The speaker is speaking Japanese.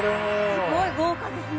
すごい豪華ですね。